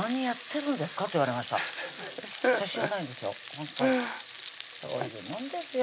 ほんとそういうもんですよ